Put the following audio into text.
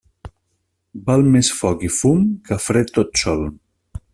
Val més foc i fum que fred tot sol.